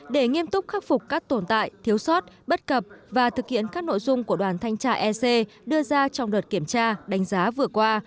để nghiêm túc khắc phục các tồn tại thiếu sót bất cập và thực hiện các nội dung của đoàn thanh tra ec đưa ra trong đợt kiểm tra đánh giá vừa qua